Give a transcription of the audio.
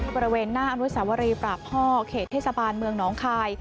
บริเวณหน้าอนุสาวรีปราบพ่อเขตเทศบาลเมืองน้องคาย